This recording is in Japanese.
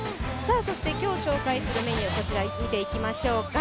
そして今日紹介するメニューを見ていきましょうか。